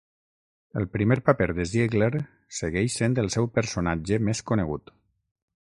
El primer paper de Ziegler segueix sent el seu personatge més conegut.